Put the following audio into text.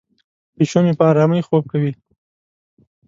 پیشو مې په آرامۍ خوب کوي.